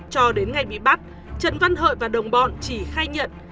cho đến ngày bị bắt trần văn hợi và đồng bọn chỉ khai nhận